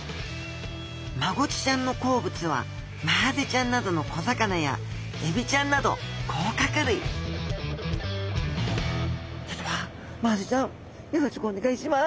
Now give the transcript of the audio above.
マゴチちゃんの好物はマハゼちゃんなどの小魚やエビちゃんなど甲殻類それではマハゼちゃんよろしくお願いします。